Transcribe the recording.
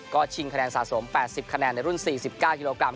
ก็ชิงคะแนนสะสม๘๐คะแนนในรุ่น๔๙กิโลกรั